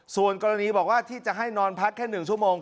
ส่วนกรณีบอกว่าที่จะให้นอนพักแค่๑ชั่วโมง